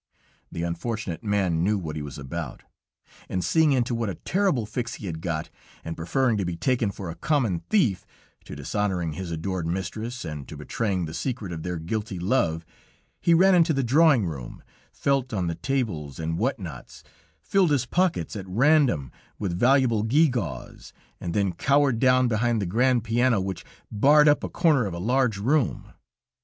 The unfortunate man knew what he was about, and seeing into what a terrible fix he had got, and preferring to be taken for a common thief to dishonoring his adored mistress and to betraying the secret of their guilty love, he ran into the drawing room, felt en the tables and what nots, filled his pockets at random with valuable gew gaws, and then cowered down behind the grand piano, which barred up a corner of a large room.